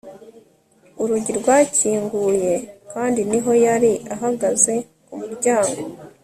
urugi rwakinguye kandi niho yari, ahagaze ku muryango